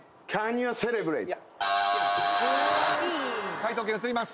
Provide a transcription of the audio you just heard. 解答権移ります。